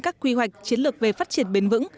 các quy hoạch chiến lược về phát triển bền vững